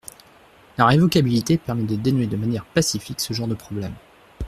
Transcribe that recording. La révocabilité permet de dénouer de manière pacifique ce genre de problème.